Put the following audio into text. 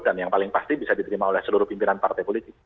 dan yang paling pasti bisa diterima oleh seluruh pimpinan partai politik